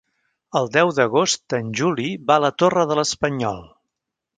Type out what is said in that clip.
El deu d'agost en Juli va a la Torre de l'Espanyol.